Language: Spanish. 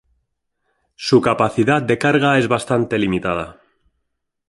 Su capacidad de carga es bastante limitada.